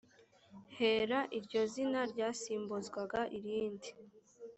hera iryo zina ryasimbuzwaga irindi